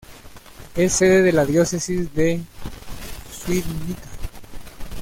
Es sede de la diócesis de Świdnica.